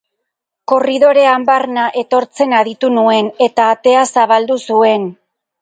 Korridorean barna etortzen aditu nuen eta atea zabaldu zuen.